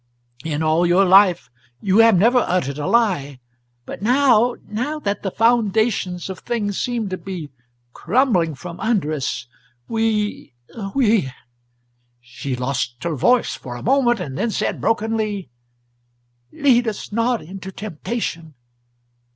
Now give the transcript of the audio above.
In all your life you have never uttered a lie. But now now that the foundations of things seem to be crumbling from under us, we we " She lost her voice for a moment, then said, brokenly, "Lead us not into temptation.